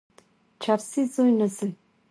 چرسي زوی، نه زوی.